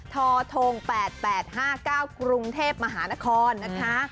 ทท๘๘๕๙กรุงเทพมหานครนะคะ